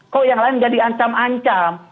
kok yang lain nggak di ancam ancam